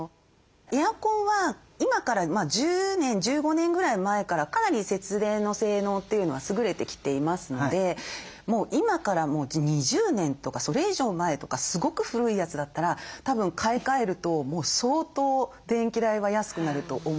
エアコンは今から１０年１５年ぐらい前からかなり節電の性能というのはすぐれてきていますので今からもう２０年とかそれ以上前とかすごく古いやつだったらたぶん買い替えるともう相当電気代は安くなると思います。